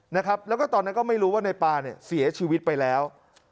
นะครับแล้วก็ตอนนั้นก็ไม่รู้ว่าในปาเนี่ยเสียชีวิตไปแล้ว